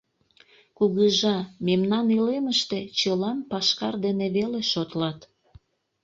Кугыжа, мемнан илемыште чылан пашкар дене веле шотлат.